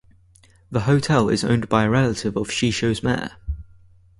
The hotel is owned by a relative of Shishou's mayor.